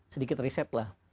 sedikit resep lah